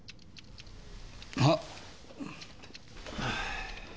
あっ。